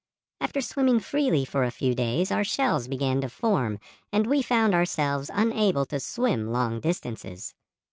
After swimming freely for a few days our shells began to form and we found ourselves unable to swim long distances.